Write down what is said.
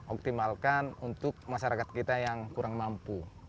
optimalkan untuk masyarakat kita yang kurang mampu